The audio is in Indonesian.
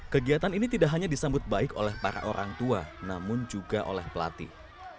kegiatan ini tidak hanya disambut baik oleh para orang tua namun juga oleh pelatih